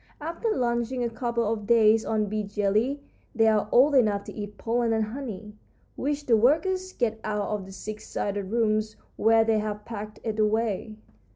After lunching a couple of days on bee jelly they are old enough to eat pollen and honey, which the workers get out of the six sided rooms where they have packed it away.